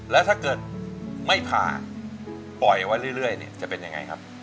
แล้วถ้าเกิดไม่ผ่าปล่อยไว้เรื่อยเนี่ยจะเป็นยังไงครับ